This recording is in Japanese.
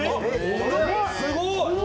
すごい！